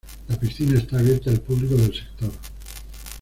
La piscina está abierta al público del sector.